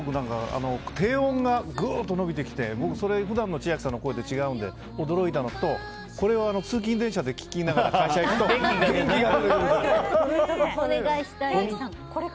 低音がぐっと伸びてきて普段の千秋さんの声と違うので驚いたのとこれは通勤電車で聴きながら会社に行くと元気が出そうな。